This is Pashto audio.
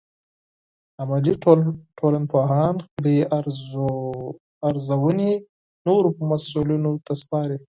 عملي ټولنپوهان خپلې ارزونې نورو مسؤلینو ته سپاري.